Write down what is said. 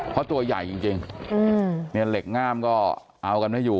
เพราะตัวใหญ่จริงเนี่ยเหล็กง่ามก็เอากันไม่อยู่